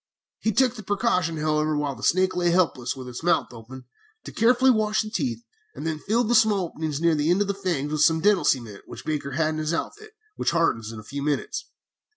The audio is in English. "He took the precaution, however, while the snake lay helpless with its mouth open, to carefully wash the teeth, and then filled the small openings near the end of the fangs with some dental cement which Baker had in his outfit, which hardens in a few minutes.